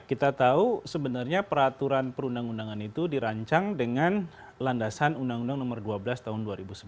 kita tahu sebenarnya peraturan perundang undangan itu dirancang dengan landasan undang undang nomor dua belas tahun dua ribu sebelas